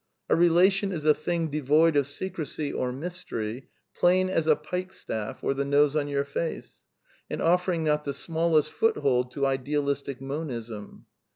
A relation is"a thing devoid of secrecy or mystery, plain as a pike staff or the nose on your face, and offering not the smallest foothold to Ideal istic Monism.